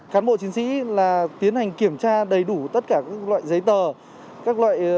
khán bộ chiến sĩ tiến hành kiểm tra đầy đủ tất cả các loại giấy tờ